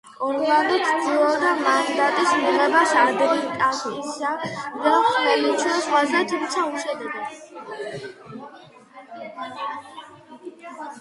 ორლანდო ცდილობდა მანდატის მიღებას ადრიატიკისა და ხმელთაშუა ზღვაზე, თუმცა უშედეგოდ.